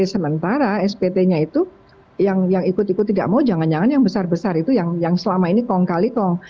sementara spt nya itu yang ikut ikut tidak mau jangan jangan yang besar besar itu yang selama ini kong kali kong